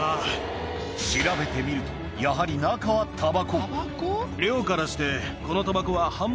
調べてみるとやはり中は嫌だ！